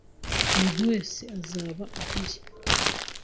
Umuntu wese azaba ahari.